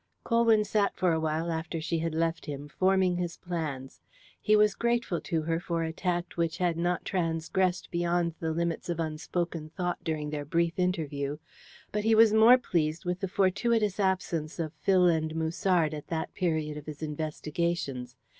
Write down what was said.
Colwyn sat for a while after she had left him, forming his plans. He was grateful to her for a tact which had not transgressed beyond the limits of unspoken thought during their brief interview, but he was more pleased with the fortuitous absence of Phil and Musard at that period of his investigations.